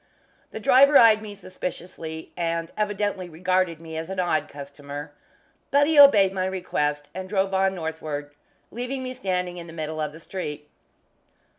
The driver eyed me suspiciously, and evidently regarded me as an odd customer, but he obeyed my request, and drove on northward, leaving me standing in the middle of the street.